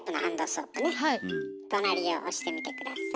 隣を押してみて下さい。